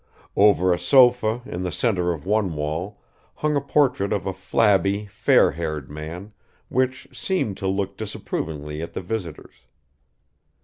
Over a sofa in the center of one wall hung a portrait of a flabby fair haired man, which seemed to look disapprovingly at the visitors.